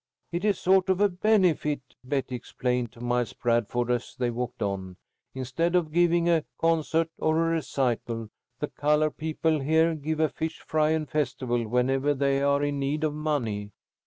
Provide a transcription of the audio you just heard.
"It is sort of a benefit," Betty explained to Miles Bradford, as they walked on. "Instead of giving a concert or a recital, the colored people here give a fish fry and festival whenever they are in need of money.